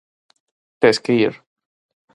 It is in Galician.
Tes que ir.